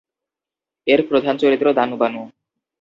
এর প্রধান চরিত্র দানুবানু।